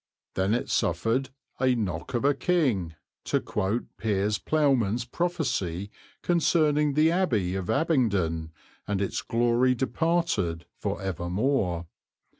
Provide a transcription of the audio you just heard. Then it suffered "a knok of a kynge," to quote Piers Plow man's prophecy concerning the abbey of Abingdon, and its glory departed for evermore.